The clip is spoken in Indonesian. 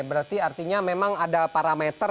berarti artinya memang ada parameter